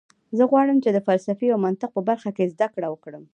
زه غواړم چې د فلسفې او منطق په برخه کې زده کړه وکړم